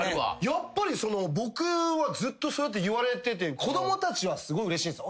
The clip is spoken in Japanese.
やっぱり僕はずっとそうやって言われてて子供たちはすごいうれしいんす。